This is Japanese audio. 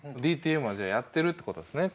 ＤＴＭはじゃあやってるってことですね